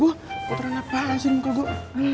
kotoran apaan sih muka gue